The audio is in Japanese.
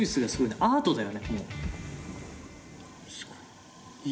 「アートだよね」。